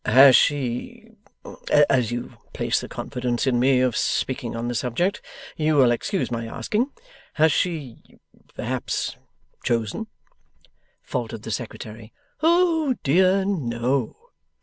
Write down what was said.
'Has she as you place the confidence in me of speaking on the subject, you will excuse my asking has she perhaps chosen?' faltered the Secretary. 'Oh dear no!